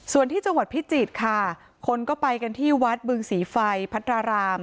ส่วนที่จังหวัดพิจิตรค่ะคนก็ไปกันที่วัดบึงศรีไฟพัทราราม